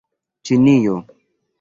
Ĉinio